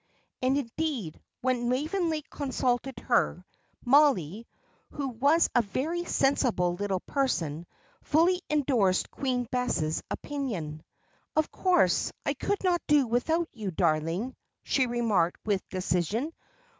And, indeed, when Waveney consulted her, Mollie, who was a very sensible little person, fully endorsed Queen Bess's opinion. "Of course I could not do without you, darling," she remarked with decision.